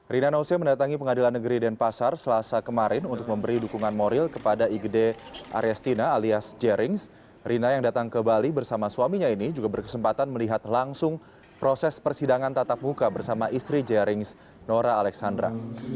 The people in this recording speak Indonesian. rina nose mendatangi pengadilan negeri denpasar selasa kemarin untuk memberi dukungan moral kepada igd aryastina alias jerings rina yang datang ke bali bersama suaminya ini juga berkesempatan melihat langsung proses persidangan tatap muka bersama istri jerings nora alexandra